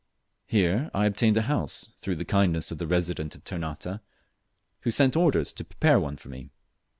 Here I obtained a house through the kindness of the Resident of Ternate, who sent orders to prepare one for me.